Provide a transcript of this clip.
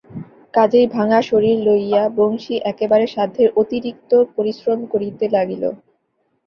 কাজেই ভাঙা শরীর লইয়া বংশী একেবারে সাধ্যের অতিরিক্ত পরিশ্রম করিতে লাগিল।